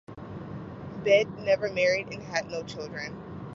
Beit never married and had no children.